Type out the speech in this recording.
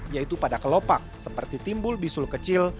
yaitu pada kelopak seperti timbul bisul kecil